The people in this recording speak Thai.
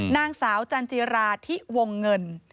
นางสาวจันจิราที่วงเงิน